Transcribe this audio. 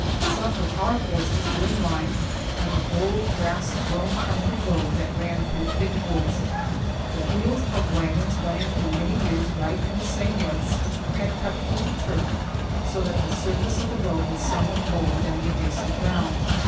Some of our forces were in line on an old, grass grown country road that ran through thick woods. The wheels of wagons, running for many years right in the same ruts, had cut through the turf, so that the surface of the road was somewhat lower than the adjacent ground.